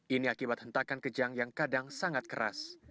ini akibat hentakan kejang yang kadang sangat keras